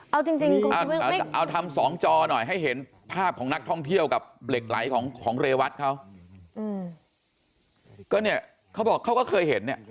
เอาจริงก่อนเอาทำสองจอหน่อยให้เห็นภาพของนักท่องเที่ยวกับเหล็กไหลของเรวัตเขาก็เนี่ยเขาบอกเขาก็เคยเห็นเนี่ย